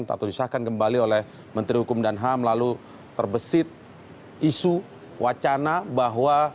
atau disahkan kembali oleh menteri hukum dan ham lalu terbesit isu wacana bahwa